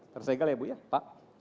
tersegel ya bu ya pak